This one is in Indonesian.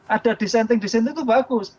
ada disenting disenting itu bagus